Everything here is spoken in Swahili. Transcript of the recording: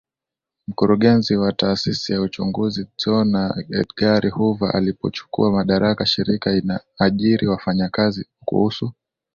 mkurugenzi wa Taasisi ya Uchunguzi Dzhona Edgara HooverAlipochukua madaraka shirika inaajiri wafanyakazi kuhusu